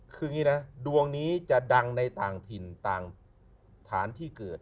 คืออย่างนี้นะดวงนี้จะดังในต่างถิ่นต่างฐานที่เกิด